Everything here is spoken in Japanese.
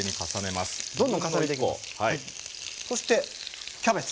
そしてキャベツ。